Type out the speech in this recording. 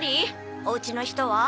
おうちの人は？